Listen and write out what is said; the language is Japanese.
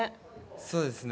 そうですね。